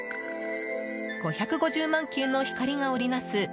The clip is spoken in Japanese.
５５０万球の光が織りなす